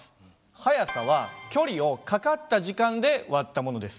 速さは距離をかかった時間で割ったものです。